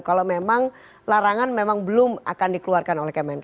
bahwa memang larangan memang belum akan dikeluarkan oleh kmnk